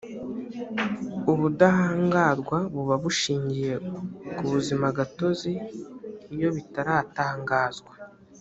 ubudahangarwa buba bushingiye ku buzimagatozi iyo bitaratangazwa